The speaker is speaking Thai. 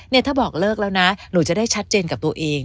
ถ้าบอกเลิกแล้วนะหนูจะได้ชัดเจนกับตัวเอง